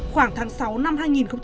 khoảng tháng sáu năm hai nghìn một mươi bốn